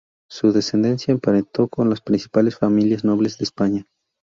Su descendencia emparentó con las principales familias nobles de España.